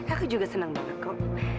aku juga senang banget kok